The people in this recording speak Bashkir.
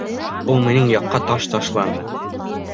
Ул минең яҡҡа таш ташланы!